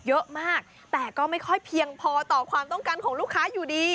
เยอะมากแต่ก็ไม่ค่อยเพียงพอต่อความต้องการของลูกค้าอยู่ดี